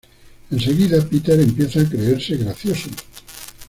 Enseguida Peter empieza a creerse gracioso.